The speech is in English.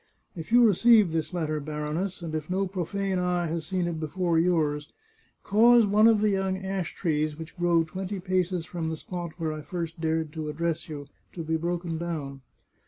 If you receive this letter, baroness, and if no profane eye has seen it before yours, cause one of the young ash trees which grow twenty paces from the spot where I first 449 The Chartreuse of Parma dared to address you, to be broken down.